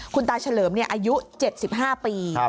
คุณตาเฉลิมอายุ๗๕ปี